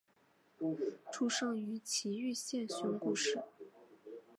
出生于崎玉县熊谷市。